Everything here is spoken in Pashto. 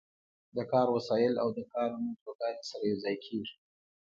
د کار وسایل او د کار موضوعګانې سره یوځای کیږي.